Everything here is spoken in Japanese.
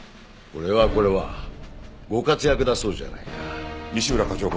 これはこれはご活躍だそうじゃないか。